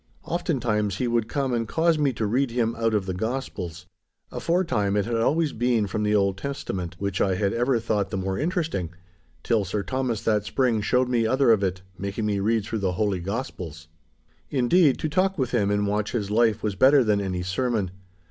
Oftentimes he would come and cause me to read to him out of the Gospels. Aforetime it had always been from the Old Testament, which I had ever thought the more interesting, till Sir Thomas that spring showed me other of it, making me read through the Holy Gospels. Indeed, to talk with him and watch his life was better than any sermon.